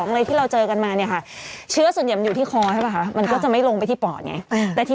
นี่นี่นี่นี่นี่นี่นี่นี่นี่นี่นี่นี่นี่นี่นี่นี่